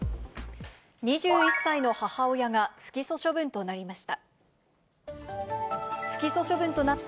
２１歳の母親が、不起訴処分となりました。